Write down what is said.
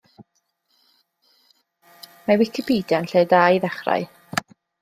Mae Wicpedia yn lle da i ddechrau.